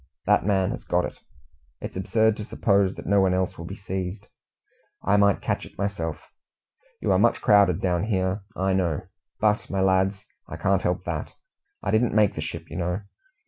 That man has got it. It is absurd to suppose that no one else will be seized. I might catch it myself. You are much crowded down here, I know; but, my lads, I can't help that; I didn't make the ship, you know."